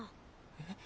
えっ？